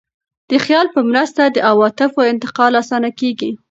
د خیال په مرسته د عواطفو انتقال اسانه کېږي.